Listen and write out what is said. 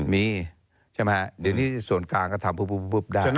มีเดี๋ยวนี้ส่วนกลางก็ทำปุ๊บได้